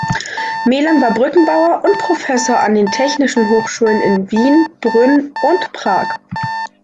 Melan war Brückenbauer und Professor an den Technischen Hochschulen in Wien, Brünn und Prag.